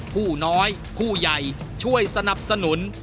ผู้น้อยผู้ใหญ่ช่วยสนับสนุน